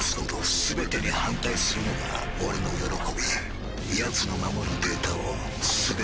全てに反対するのが俺の喜びやつの守るデータを全て奪うのだ！